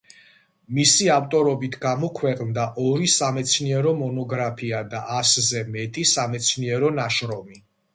მისი ავტორობით გამოქვეყნდა ორი სამეცნიერო მონოგრაფია და ასზე მეტი სამეცნიერო ნაშრომი.